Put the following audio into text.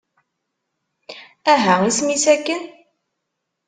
Aha, isem-is akken?